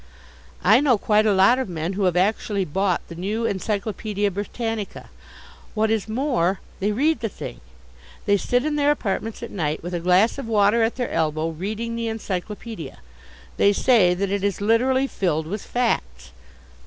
I know quite a lot of men who have actually bought the new Encyclopaedia Britannica. What is more, they read the thing. They sit in their apartments at night with a glass of water at their elbow reading the encyclopaedia. They say that it is literally filled with facts.